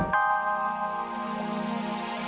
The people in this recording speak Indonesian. jangan lupa like share dan subscribe ya